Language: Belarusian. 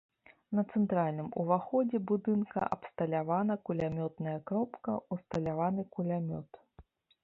На цэнтральным ўваходзе будынка абсталявана кулямётная кропка, усталяваны кулямёт.